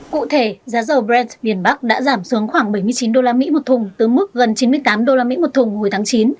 cụ thể giá dầu brent biển bắc đã giảm xuống khoảng bảy mươi chín usd một thùng từ mức gần chín mươi tám usd một thùng hồi tháng chín